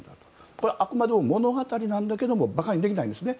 これはあくまでも物語なんだけれども馬鹿にできないですね。